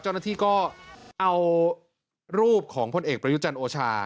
เจ้าหน้าที่ก็เอารูปของพลเอกประยุจันทร์โอชา